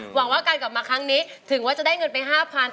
หวังว่าการกลับมาครั้งนี้ถึงว่าจะได้เงินไป๕๐๐๐